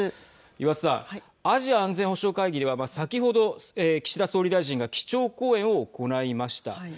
岩田さんアジア安全保障会議では先ほど岸田総理大臣が基調講演を行いました。